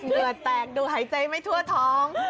เลือดแตกดูหายใจไม่ทั่วท้อง